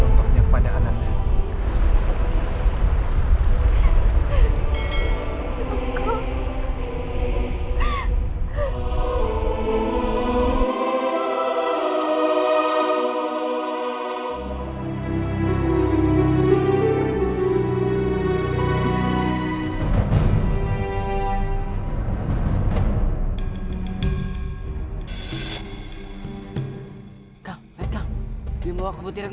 ampun ampun gisana ampun